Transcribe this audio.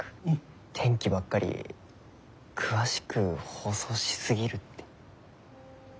天気ばっかり詳しく放送しすぎるって。え？